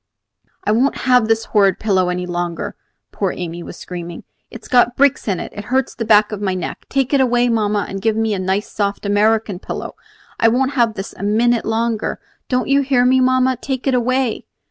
"I won't have this horrid pillow any longer," poor Amy was screaming. "It's got bricks in it. It hurts the back of my neck. Take it away, mamma, and give me a nice soft American pillow. I won't have this a minute longer. Don't you hear me, mamma! Take it away!"